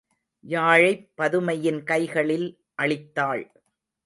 யாழைப் பதுமையின் கைகளில் அளித்தாள்.